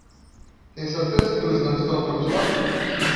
Tem certeza que eles não estão todos lá?